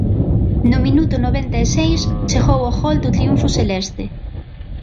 No minuto noventa e seis chegou o gol do triunfo celeste.